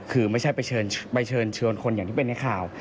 คือไม่ใช่ไปเชิญคนอย่างที่เป็นในข่าว